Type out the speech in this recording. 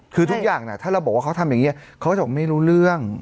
คือทุกอย่างถ้าเราบอกว่าเขาทำอย่างนี้เขาจะบอกไม่รู้เรื่อง